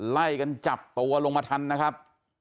ไล่กันจับตัวลงมาทันนะครับ